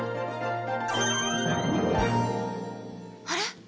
あれ？